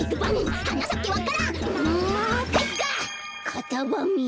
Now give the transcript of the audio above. カタバミ！